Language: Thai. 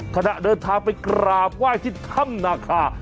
ขณะเดินทางไปกราบไหว้ที่ถ้ำนาคา